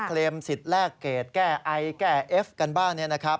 สิทธิ์แลกเกรดแก้ไอแก้เอฟกันบ้างเนี่ยนะครับ